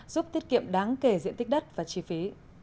giúp tiết kiệm đáng kể diện tích đất và chi phí